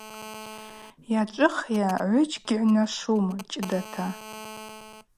Йачӏвыхйа – гӏвыджь гьыгӏвнашвум чӏыдата.